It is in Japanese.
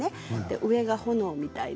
上が炎みたいな。